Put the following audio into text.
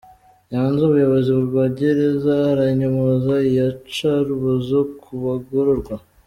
Nyanza Umuyobozi wa Gereza aranyomoza iyicarubozo ku bagororwa